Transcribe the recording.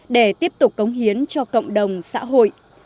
để tiếp tục cống hiến cho cộng đồng xã hội